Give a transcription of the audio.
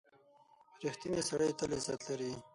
• رښتینی سړی تل عزت لري.